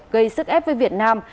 gây sức ép với việt nam